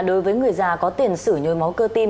đối với người già có tiền xử nhôi máu cơ tim